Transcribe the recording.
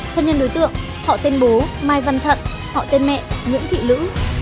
thân nhân đối tượng họ tên bố mai văn thận họ tên mẹ nguyễn thị lữ